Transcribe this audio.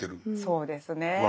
そうですね。